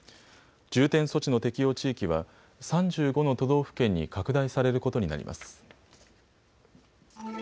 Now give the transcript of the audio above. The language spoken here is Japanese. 重点措置の適用地域は３５の都道府県に拡大されることになります。